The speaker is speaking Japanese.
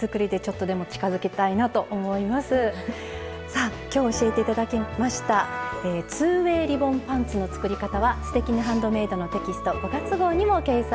さあ今日教えて頂きました「２ｗａｙリボンパンツ」の作り方は「すてきにハンドメイド」のテキスト５月号にも掲載されています。